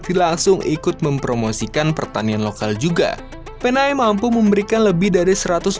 dilangsung ikut mempromosikan pertanian lokal juga penai mampu memberikan lebih dari seratus